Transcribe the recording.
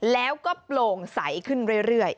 แล้วก็โปร่งใสขึ้นเรื่อย